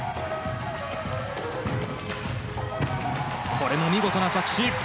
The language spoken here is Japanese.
これも見事な着地！